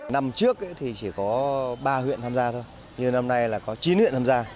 năm trước thì chỉ có ba huyện tham gia thôi nhưng năm nay là có chín huyện tham gia